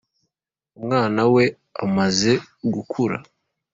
umwana we amaze gukura